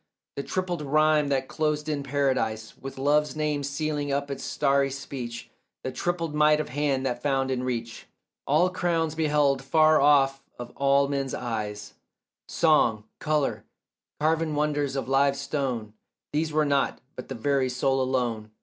The tripled rhyme that closed in Paradise With Love's name sealing up its starry speech— The tripled might of hand that found in reach All crowns beheld far off of all men's eyes, Song, colour, carven wonders of live stone— These were not, but the very soul alone.